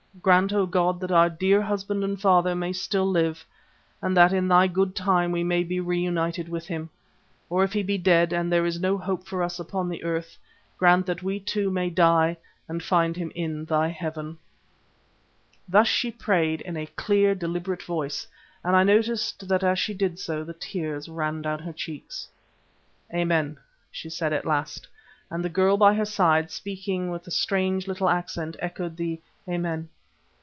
Grant, O God, that our dear husband and father may still live, and that in Thy good time we may be reunited to him. Or if he be dead and there is no hope for us upon the earth, grant that we, too, may die and find him in Thy Heaven." Thus she prayed in a clear, deliberate voice, and I noticed that as she did so the tears ran down her cheeks. "Amen," she said at last, and the girl by her side, speaking with a strange little accent, echoed the "Amen."